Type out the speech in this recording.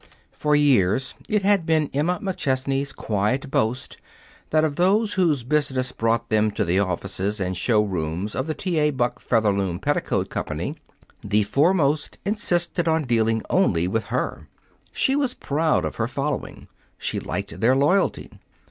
For years, it had been Emma McChesney's quiet boast that of those whose business brought them to the offices and showrooms of the T. A. Buck Featherloom Petticoat Company, the foremost insisted on dealing only with her. She was proud of her following. She liked their loyalty.